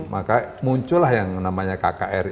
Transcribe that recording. maka muncullah yang namanya kkri